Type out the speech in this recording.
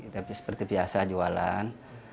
tapi seperti biasa jualan